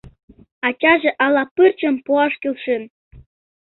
Ачаже ала пырчым пуаш келшен.